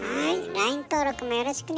ＬＩＮＥ登録もよろしくね。